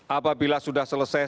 apabila sudah selesai